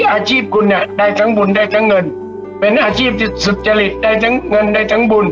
อาชีพคุณเนี่ยได้ทั้งบุญได้ทั้งเงินเป็นอาชีพที่สุจริตได้ทั้งเงินได้ทั้งบุญ